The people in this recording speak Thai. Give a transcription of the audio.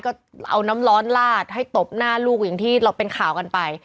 ก็เอาน้ำร้อนลาดให้ตบหน้าลูกอย่างที่เราเป็นข่าวกันไป